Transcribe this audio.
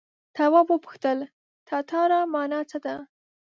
تواب وپوښتل تتارا مانا څه ده.